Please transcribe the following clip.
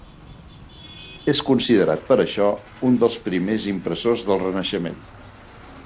És considerat per això un dels primers impressors del Renaixement.